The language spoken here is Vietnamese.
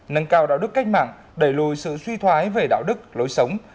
nâng cao đạo đức cách mạng đẩy lùi sự suy thoái về đạo đức lối sống